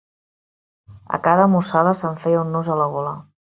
A cada mossada se'm feia un nus a la gola.